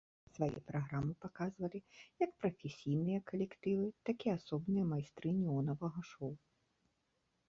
Свае праграмы паказвалі як прафесійныя калектывы, так і асобныя майстры неонавага шоў.